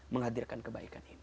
menghadirkan kebaikan ini